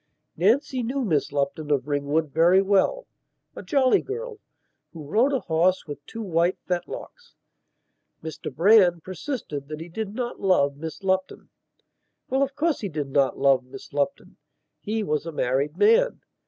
Nancy knew Miss Lupton of Ringwood very wella jolly girl, who rode a horse with two white fetlocks. Mr Brand persisted that he did not love Miss Lupton.... Well, of course he did not love Miss Lupton; he was a married man.